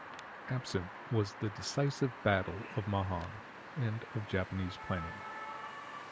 Absent was the "decisive battle" of Mahan, and of Japanese planning.